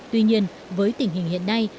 tuy nhiên với tình hình hiện nay